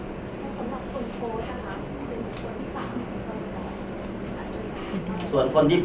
สำหรับคนโฟส์อ่ะฮะเป็นคนที่สาม